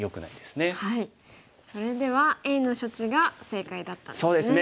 それではＡの処置が正解だったんですね。